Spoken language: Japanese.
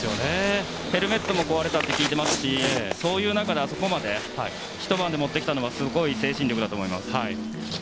ヘルメットも壊れたと聞いていますしそういう中で、あそこまでひと晩で持ってきたのはすごい精神力だと思います。